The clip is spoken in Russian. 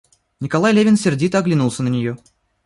Николай Левин сердито оглянулся на нее.